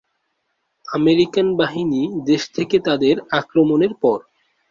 American বাহিনী দেশ থেকে তাদের আক্রমণের পর।